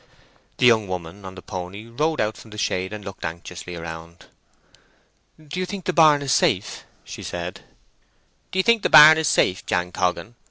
The young woman on the pony rode out from the shade and looked anxiously around. "Do you think the barn is safe?" she said. "D'ye think the barn is safe, Jan Coggan?"